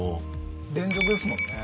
連続ですもんね。